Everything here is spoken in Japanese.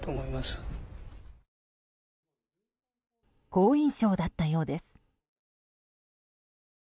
好印象だったようです。